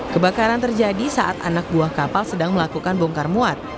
kebakaran terjadi saat anak buah kapal sedang melakukan bongkar muat